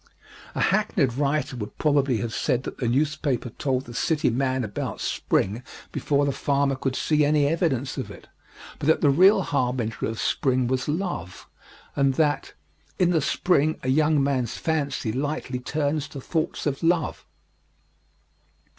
A hackneyed writer would probably have said that the newspaper told the city man about spring before the farmer could see any evidence of it, but that the real harbinger of spring was love and that "In the Spring a young man's fancy lightly turns to thoughts of love."